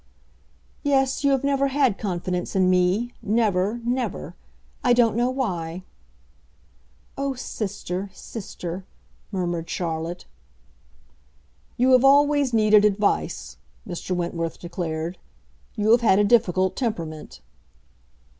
"Yes, you have never had confidence in me—never, never! I don't know why." "Oh sister, sister!" murmured Charlotte. "You have always needed advice," Mr. Wentworth declared. "You have had a difficult temperament."